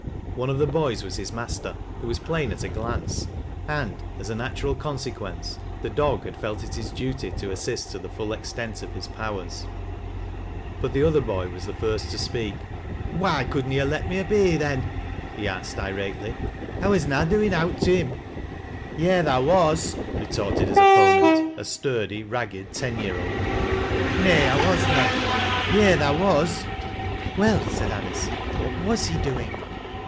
One of the boys was his master, it was plain at a glance, and, as a natural consequence, the dog had felt it his duty to assist to the full extent of his powers. But the other boy was the first to speak. " Why could na he let me a be then ?" he asked irate ly. " I was na doin' owt t' him." " Yea, tha was," retorted his opponent, a sturdy, ragged, ten year old. " Nay, I was na," " Yea, tha was." " Well," said Anice, " what was he doing